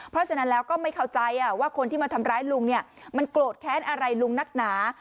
เพราะฉะนั้นแล้วก็ไม่เข้าใจว่าคนที่มาทำร้ายลุงเนี่ยมันโกรธแค้นอะไรลุงนักหนา